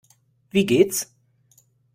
Wie geht's?